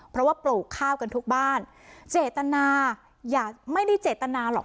เพราะว่าปลูกข้าวกันทุกบ้านเจตนาอย่าไม่ได้เจตนาหรอก